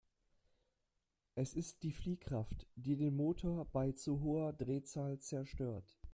Es ist die Fliehkraft, die den Motor bei zu hoher Drehzahl zerstört.